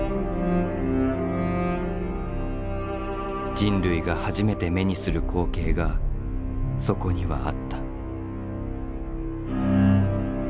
人類が初めて目にする光景がそこにはあった。